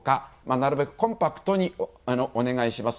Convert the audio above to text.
なるべくコンパクトにお願いします。